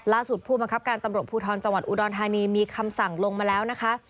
ผู้บังคับการตำรวจภูทรจังหวัดอุดรธานีมีคำสั่งลงมาแล้วนะคะ